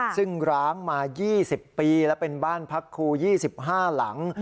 ซึ่งร้างมา๒๐ปีและเป็นบ้านพักครู๒๕หลัง